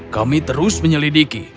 kami terus menyelidiki